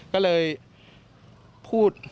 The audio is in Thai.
ก็เลยพูด